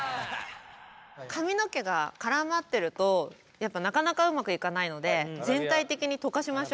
髪の毛が絡まってるとなかなかうまくいかないので全体的にとかしましょう。